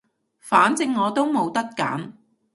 反正我都冇得揀